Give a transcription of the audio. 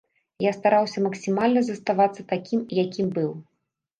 Я стараўся максімальна заставацца такім, якім быў.